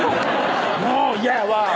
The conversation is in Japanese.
もう嫌やわぁ！